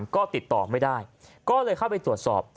ก็ติดต่อไม่ได้ก็เลยเข้าไปตรวจสอบ